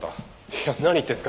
いや何言ってるんですか。